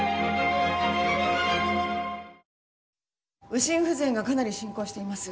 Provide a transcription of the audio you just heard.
右心不全がかなり進行しています。